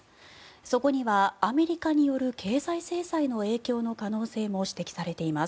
そこにはアメリカによる経済制裁の影響の可能性も指摘されています。